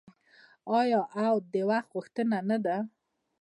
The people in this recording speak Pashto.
آیا او د وخت غوښتنه نه ده؟